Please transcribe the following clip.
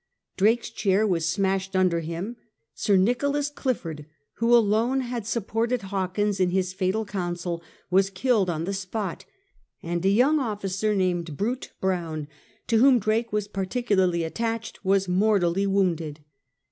Drake's chair was smashed under him; Sir Nicholas Clifford, who alone had supported Hawkins in his fatal counsel, was killed on the spot ; and a young officer named Brute Brown, to whom Drake was particularly attached, was mortally wounded.